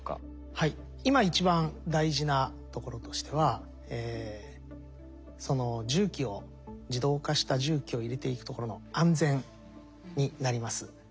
はい今一番大事なところとしてはその重機を自動化した重機を入れていくところの安全になります。